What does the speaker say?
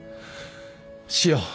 しよう。